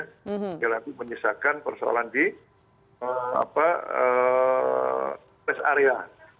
nanti lagi menyisakan persoalan di test area